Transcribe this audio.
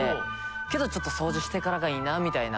けどちょっと掃除してからがいいなみたいな。